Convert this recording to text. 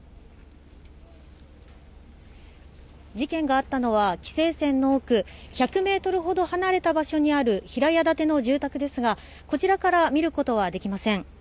事件があったのは、規制線の奥、１００メートルほど離れた場所にある平屋建ての住宅ですが、こちらから見ることはできません。